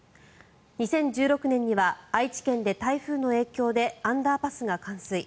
２０１６年には愛知県で台風の影響でアンダーパスが冠水。